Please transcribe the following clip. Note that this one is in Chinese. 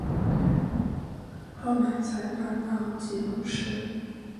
后来才搬到基隆市。